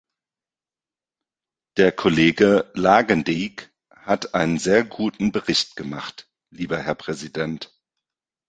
Der Kollege Lagendijk hat einen sehr guten Bericht gemacht, lieber Herr Präsident.